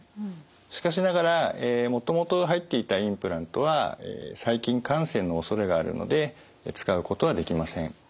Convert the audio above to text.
しかしながらもともと入っていたインプラントは細菌感染のおそれがあるので使うことはできません。